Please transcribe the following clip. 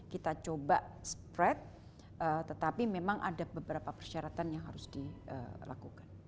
kita coba spread tetapi memang ada beberapa persyaratan yang harus dilakukan